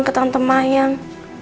ke tante mayang